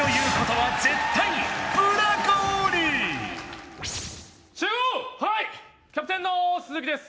はいキャプテンの鈴木です